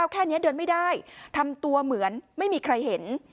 แค่นี้เดินไม่ได้ทำตัวเหมือนไม่มีใครเห็น